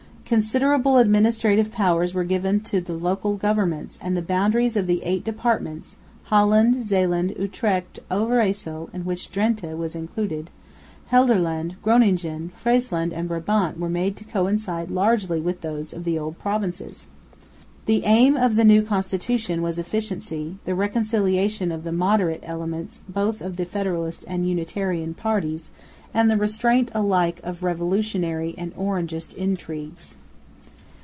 Considerable administrative powers were given to the local governments, and the boundaries of the eight departments, Holland, Zeeland, Utrecht, Overyssel (in which Drente was included), Gelderland, Groningen, Friesland, and Brabant, were made to coincide largely with those of the old provinces. The aim of the new Constitution was efficiency, the reconciliation of the moderate elements both of the federalist and unitarian parties, and the restraint alike of revolutionary and Orangist intrigues.